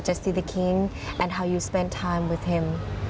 รู้สึกสอนงานเก่าที่ดิฉัน